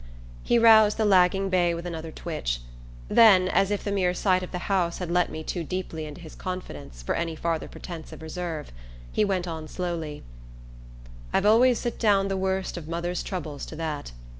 He roused the lagging bay with another twitch; then, as if the mere sight of the house had let me too deeply into his confidence for any farther pretence of reserve, he went on slowly: "I've always set down the worst of mother's trouble to that.